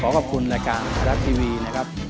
ขอบคุณรายการไทยรัฐทีวีนะครับ